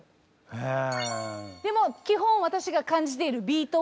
へえ。